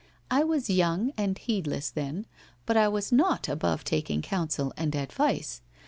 I was young and heedless then, but I was not above taking counsel and advice.